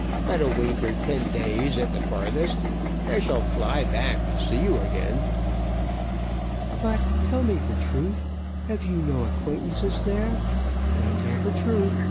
"But a week or ten days at the farthest. I shall fly back to see you again." "But, tell me the truth, have you no acquaintances there? now, tell me the truth.